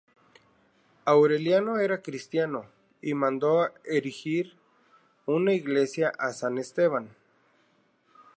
Aureliano era cristiano, y mando erigir una iglesia a San Esteban.